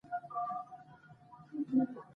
قناعت د انسان لویه شتمني ده.